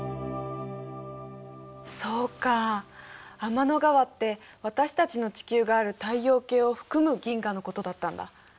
そうか天の川って私たちの地球がある太陽系を含む銀河のことだったんだ。